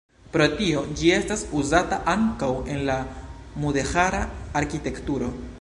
Pro tio, ĝi estas uzata ankaŭ en la mudeĥara arkitekturo.